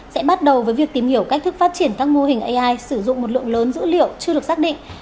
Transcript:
sẽ bắt đầu với việc tìm hiểu cách thức phát triển các mô hình ai sử dụng một lượng lớn dữ liệu chưa được xác định